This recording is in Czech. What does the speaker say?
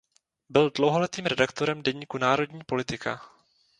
Byl dlouholetým redaktorem deníku Národní politika.